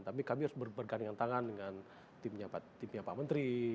tapi kami harus bergandingan tangan dengan timnya pak menteri